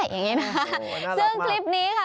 อย่างนี้นะซึ่งคลิปนี้ค่ะ